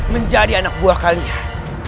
menjadi anak buah kalian